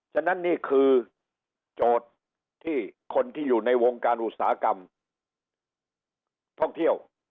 ฉะนั้นนี่คือโจทย์ที่คนที่อยู่ในวงการอุตสาหกรรมท่องเที่ยว